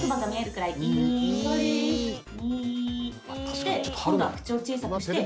で今度は口を小さくして「う」。